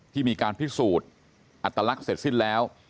ที่มีการพิสูจน์อัตลักษณ์เสร็จสิ้นแล้ว